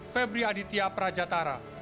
febriah aditya prajatara